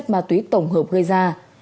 các chất ma túy tổng hợp gây ra